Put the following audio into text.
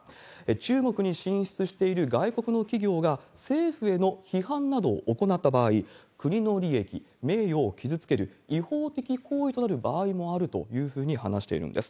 中国に進出している外国の企業が、政府への批判などを行った場合、国の利益、名誉を傷つける違法的行為となる場合もあるというふうに話しているんです。